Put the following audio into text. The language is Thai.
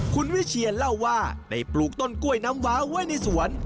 คุณวิเชียนเล่าว่าได้ปลูกต้นกล้วยน้ำว้าไว้ในสวน